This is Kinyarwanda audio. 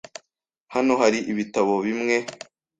Hano hari ibitabo bimwe.